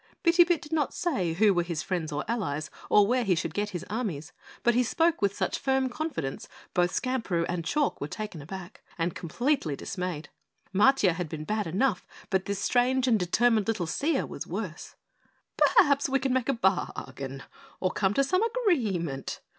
Bitty Bit did not say who were his friends or allies or where he should get his armies, but he spoke with such firm confidence, both Skamperoo and Chalk were taken aback and completely dismayed. Matiah had been bad enough, but this strange and determined little Seer was worse. "Perhaps we can make a bargain, or come to some agreement?"